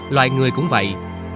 loài người cũng vậy